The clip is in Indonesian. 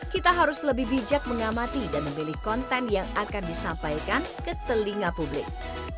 kita harus lebih bijak mengamati dan memilih konten yang akan disampaikan ke telinga publik